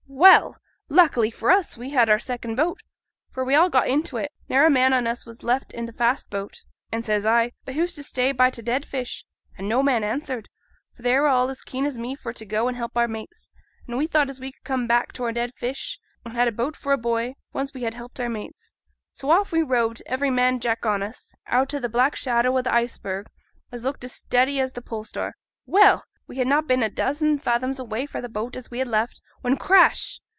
'Well! luckily for us we had our second boat, for we all got into it, ne'er a man on us was left i' th' fast boat. And says I, "But who's to stay by t' dead fish?" And no man answered, for they were all as keen as me for to go and help our mates; and we thought as we could come back to our dead fish, as had a boat for a buoy, once we had helped our mates. So off we rowed, every man Jack on us, out o' the black shadow o' th' iceberg, as looked as steady as th' pole star. Well! we had na' been a dozen fathoms away fra' th' boat as we had left, when crash!